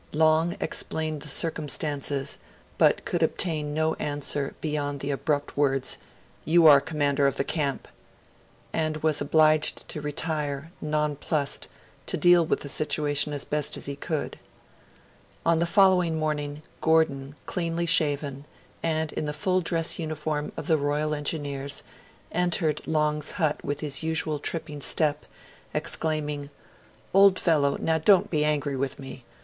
Long explained the circumstances, but could obtain no answer beyond the abrupt words 'You are commander of the camp' and was obliged to retire, nonplussed, to deal with the situation as best he could. On the following morning, Gordon, cleanly shaven, and in the full dress uniform of the Royal Engineers, entered Long's hut with his usual tripping step, exclaiming 'Old fellow, now don't be angry with me.